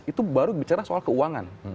itu baru bicara soal keuangan